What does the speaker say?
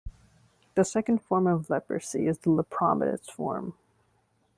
The second form of leprosy is the "lepromatous" form.